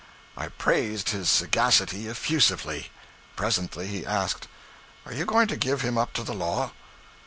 I praised his sagacity effusively. Presently he asked 'Are you going to give him up to the law?'